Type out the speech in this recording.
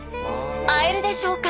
会えるでしょうか？